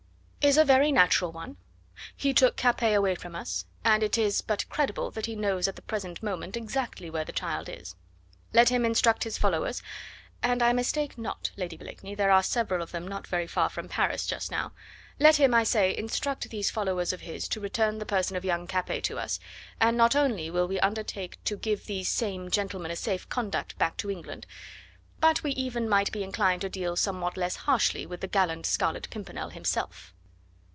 "Is a very natural one. He took Capet away from us, and it is but credible that he knows at the present moment exactly where the child is. Let him instruct his followers and I mistake not, Lady Blakeney, there are several of them not very far from Paris just now let him, I say, instruct these followers of his to return the person of young Capet to us, and not only will we undertake to give these same gentlemen a safe conduct back to England, but we even might be inclined to deal somewhat less harshly with the gallant Scarlet Pimpernel himself."